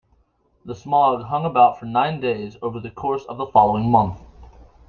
The smog hung about for nine days over the course of the following month.